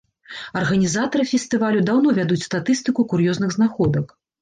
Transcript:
Арганізатары фестывалю даўно вядуць статыстыку кур'ёзных знаходак.